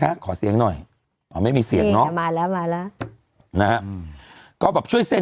คะขอเสียงหน่อยไม่มีเสียงเนาะมาแล้วมาแล้วก็แบบช่วยเซน